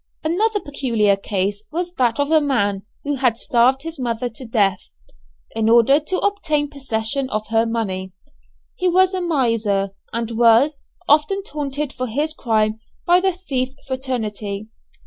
Another peculiar case was that of a man who had starved his mother to death, in order to obtain possession of her money. He was a miser, and was often taunted for his crime by the thief fraternity.